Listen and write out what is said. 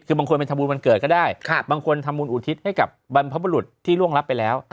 คือบางคนไปทำบุญวันเกิดก็ได้บางคนทำบุญอุทิศให้กับบรรพบุรุษที่ร่วงรับไปแล้ว